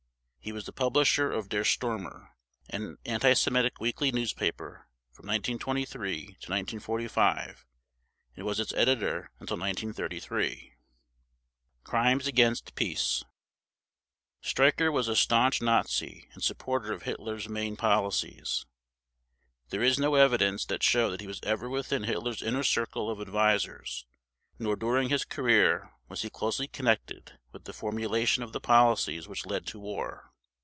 He was the publisher of Der Stürmer, an anti Semitic weekly newspaper, from 1923 to 1945 and was its editor until 1933. Crimes against Peace Streicher was a staunch Nazi and supporter of Hitler's main policies. There is no evidence to show that he was ever within Hitler's inner circle of advisers; nor during his career was he closely connected with the formulation of the policies which led to war.